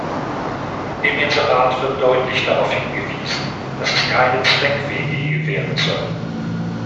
Im Inserat wird deutlich darauf hingewiesen, dass es keine Zweck-WG werden soll.